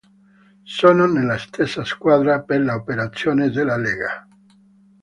Sono nella stessa squadra per le operazioni della Lega.